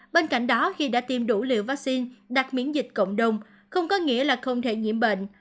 bên cạnh đó khi đã tiêm đủ liều vaccine đặt miễn dịch cộng đồng không có nghĩa là không thể nhiễm bệnh